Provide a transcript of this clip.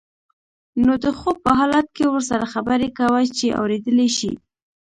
نو د خوب په حالت کې ورسره خبرې کوه چې اوریدلی شي.